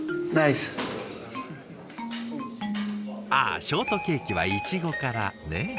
あショートケーキはイチゴからね。